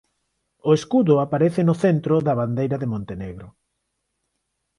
O escudo aparece no centro da bandeira de Montenegro.